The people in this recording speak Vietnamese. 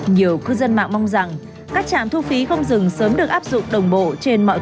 nhiều cư dân mạng mong rằng các trạm thu phí không dừng sớm được áp dụng đồng bộ trên mọi trạm thu phí không dừng